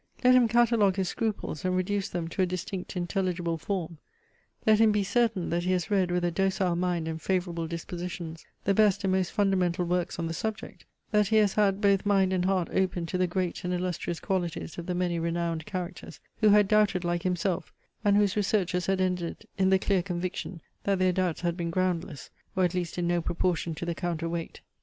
Let him catalogue his scruples, and reduce them to a distinct intelligible form; let him be certain, that he has read with a docile mind and favourable dispositions the best and most fundamental works on the subject; that he has had both mind and heart opened to the great and illustrious qualities of the many renowned characters, who had doubted like himself, and whose researches had ended in the clear conviction, that their doubts had been groundless, or at least in no proportion to the counter weight.